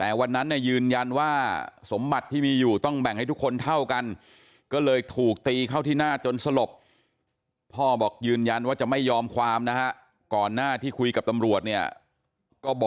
ผมไม่สามารถแนะนำให้คุณพ่อดำเนินคดีหรือไม่ดำเนินคดีครับ